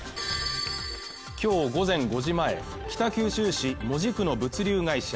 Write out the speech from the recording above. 今日午前５時前北九州市門司区の物流会社